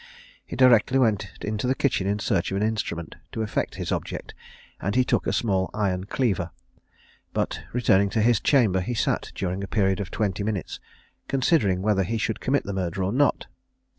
He directly went into the kitchen in search of an instrument to effect his object, and he took a small iron cleaver; but, returning to his chamber, he sat during a period of twenty minutes, considering whether he should commit the murder or not.